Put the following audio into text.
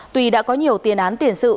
tùy đã có nhiều tiền án tiền sự